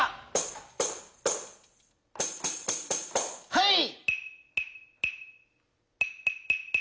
はい。